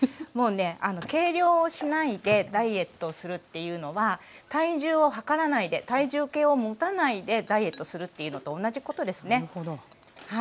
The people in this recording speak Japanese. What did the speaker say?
もうね計量をしないでダイエットをするっていうのは体重を量らないで体重計を持たないでダイエットするっていうのと同じことですね。